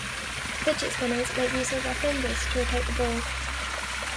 Finger spinners make use of their fingers to rotate the ball.